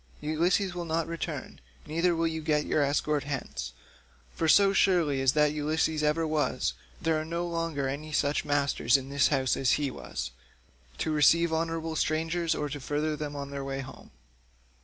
Ulysses will not return, neither will you get your escort hence, for so surely as that Ulysses ever was, there are now no longer any such masters in the house as he was, to receive honourable strangers or to further them on their way home.